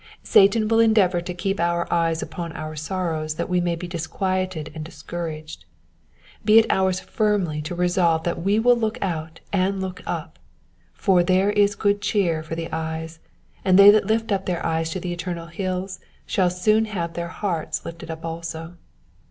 Satan will endeavour to keep our eyes upon our sorrows that we may be disquieted and discouraged ; be it ours firmly to resolve that we will look out and look up, for there is sood cheer for the eyes, and they that lift up their eyes to the eternal hills shall soon have their hearts lifted up also.